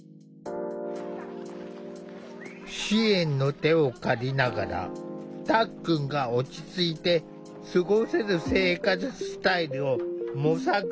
支援の手を借りながらたっくんが落ち着いて過ごせる生活スタイルを模索してきた。